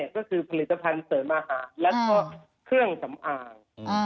ก็คือผลิตภัณฑ์เสริมอาหารแล้วก็เครื่องสำอาง